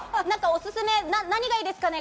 おすすめ、何がいいですかね？